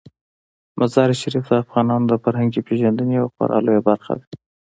مزارشریف د افغانانو د فرهنګي پیژندنې یوه خورا لویه برخه ده.